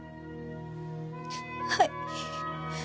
はい。